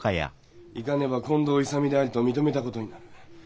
行かねば近藤勇であると認めた事になる。